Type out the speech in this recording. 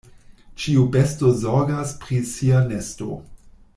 Ĉiu besto zorgas pri sia nesto.